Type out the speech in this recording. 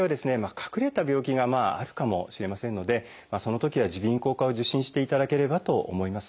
隠れた病気があるかもしれませんのでそのときは耳鼻咽喉科を受診していただければと思います。